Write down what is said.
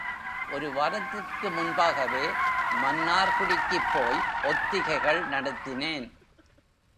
ஒரு வாரத்திற்கு முன்பாகவே மன்னார்குடிக்குப் போய் ஒத்திகைகள் நடத்தினேன்.